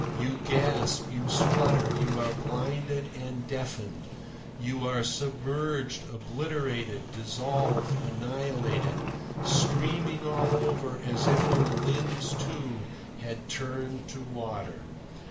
You gasp, you splutter, you are blinded and deafened, you are submerged, obliterated, dissolved, annihilated, streaming all over as if your limbs, too, had turned to water.